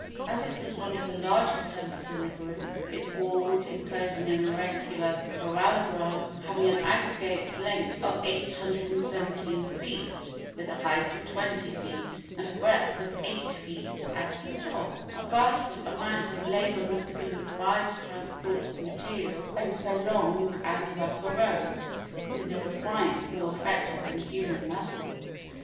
As it was one of the largest temples in the group its walls, enclosing an irregular parallelogram, having an aggregate length of 817 feet, with a height of 20 feet, and a breadth of 8 feet at the top a vast amount of labor must have been required to transport the material over so long and rough a road, with no appliance more effective than human muscle.